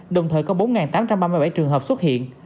đồng thời có bốn tám trăm ba mươi bảy trường hợp xuất hiện